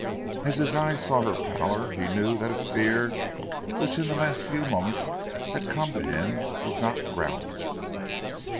As his eyes saw her pallor, he knew that a fear which in the last few moments had come to him was not groundless.